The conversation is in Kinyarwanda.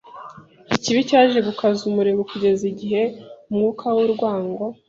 Ikibi cyaje gukaza umurego kugeza igihe umwuka w’urwango